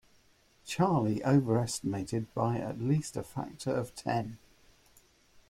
Charlie overestimated by at least a factor of ten.